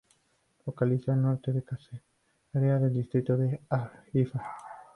Localizada al norte de Caesarea en el Distrito de Haifa.